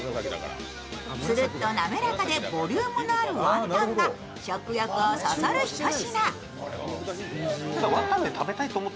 つるっと滑らかでボリュームのあるワンタンが食欲をそそる一品。